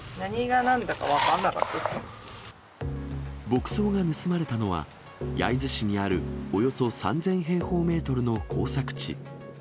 牧草が盗まれたのは、焼津市にあるおよそ３０００平方メートルの耕作地。